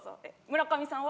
村上さんは？